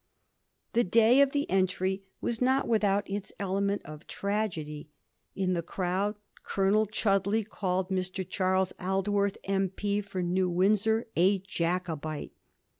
The day of the entry was not without its element of tragedy. In the crowd Colonel Chudleigh called Mr. Charles Aid worth, M.P. for New Windsor, a Jacobite.